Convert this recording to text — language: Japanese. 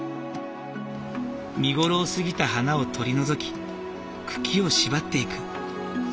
見頃を過ぎた花を取り除き茎を縛っていく。